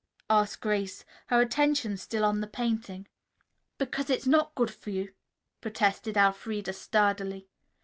asked Grace, her attention still on the painting. "Because it's not good for you," protested Elfreda sturdily.